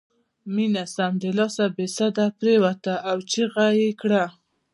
مينه سمدلاسه بې سده پرېوته او چيغه یې کړه